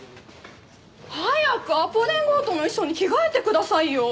早く『アポ電強盗』の衣装に着替えてくださいよ！